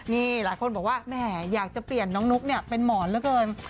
นี่หลายคนบอกว่าแหมอยากจะเปลี่ยนน้องนุ๊กเนี่ยเป็นหมอนเหลือเกิน